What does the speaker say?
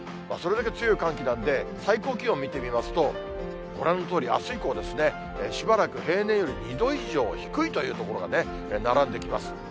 それだけ強い寒気なんで、最高気温見てみますと、ご覧のとおりあす以降、しばらく平年より２度以上低いという所が並んできます。